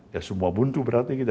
ya semua buntu berarti kita